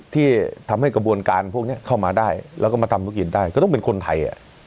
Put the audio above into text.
ที่ทำให้กระบวนการพวกนี้เข้ามาได้แล้วก็มาทำธุรกิจได้ก็ต้องเป็นคนไทย